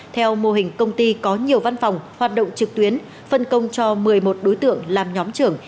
theo mô hình công ty có nhiều văn phòng hoạt động trực tuyến phân công cho một mươi một đối tượng làm nhóm trưởng